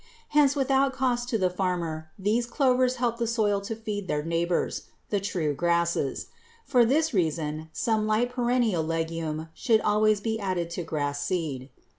Hence without cost to the farmer these clovers help the soil to feed their neighbors, the true grasses. For this reason some light perennial legume should always be added to grass seed. [Illustration: FIG.